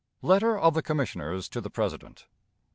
Letter of the Commissioners to the President.